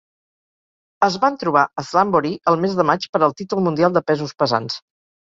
Es van trobar a Slamboree el mes de maig per al títol mundial de pesos pesants.